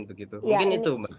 mungkin itu mbak